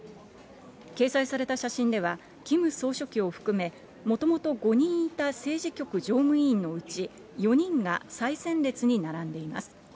掲載された写真では、キム総書記を含め、もともと５人いた政治局常務委員のうち４人が最前列に並んでいます。